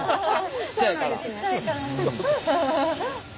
ちっちゃいから。